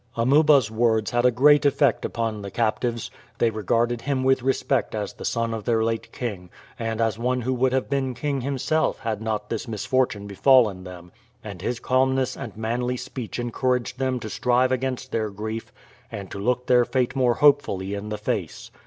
Amuba's words had a great effect upon the captives. They regarded him with respect as the son of their late king, and as one who would have been king himself had not this misfortune befallen them; and his calmness and manly speech encouraged them to strive against their grief and to look their fate more hopefully in the face.